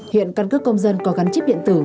hiện căn cước công dân có gắn chip điện tử